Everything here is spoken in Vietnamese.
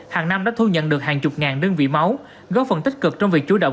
hàng năm đã thu nhận được hàng chục ngàn đơn vị máu góp phần tích cực trong việc chú động